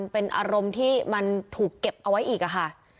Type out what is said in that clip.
เป็นอารมณ์ที่มันถูกเก็บเอาไว้อีกค่ะ